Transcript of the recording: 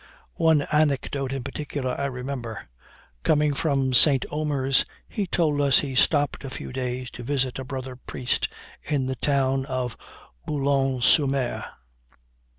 "One anecdote in particular I remember. Coming from St. Omers, he told us, he stopped a few days to visit a brother priest in the town of Boulogne sur Mer.